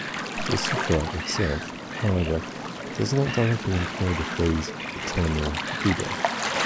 The sutra itself, however, does not directly employ the phrase "eternal Buddha".